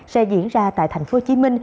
sẽ diễn ra tại tp hcm